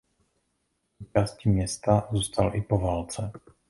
Součástí města zůstal i po válce.